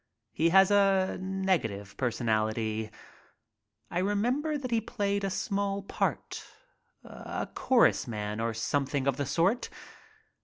He has a negative personality. I remernber that he played a small part, a chorus man or something of the sort.